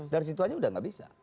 dari situ aja udah gak bisa